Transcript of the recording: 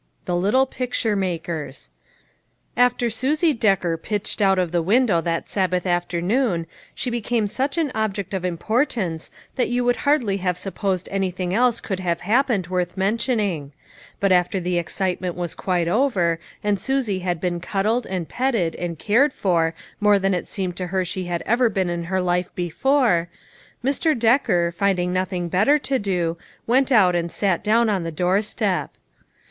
THE LITTLE PICTUKE MAKEBS. A FTER Susie Decker pitched out of the ~^ window that Sabbath afternoon she be came such an object of importance that you would hardly have supposed anything else could have happened worth mentioning ; but after the excitement was quite over, and Susie had been cuddled and petted and cared for more than it seemed to her she had ever been in her life be fore, Mr. Decker, finding nothing better to do, went out and sat down on the doorstep.